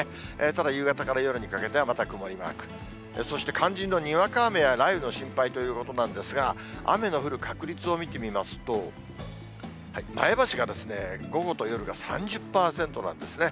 ただ、夕方から夜にかけてはまた曇りマーク。そして肝心のにわか雨や雷雨の心配ということなんですが、雨の降る確率を見てみますと、前橋が午後と夜が３０％なんですね。